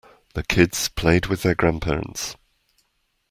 The kids played with their grandparents.